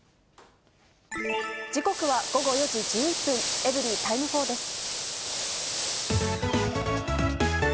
時刻は午後４時１１分、エブリィタイム４です。